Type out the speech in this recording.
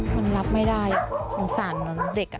มันรับไม่ได้อะสงสารเด็กอะ